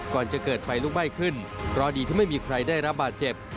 ก่อนจะเกิดไฟลุกไหม้ขึ้นเพราะดีที่ไม่มีใครได้รับบาดเจ็บ